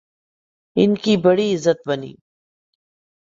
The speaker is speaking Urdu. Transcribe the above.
ان کی بڑی عزت بنی۔